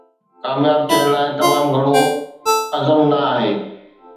ڪامياب ٿيڻ لاء تمام گهڻو عزم نه آهي